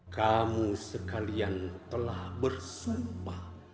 kamu sekalian telah bersumpah